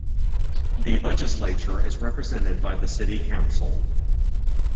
The legislature is represented by the City Council.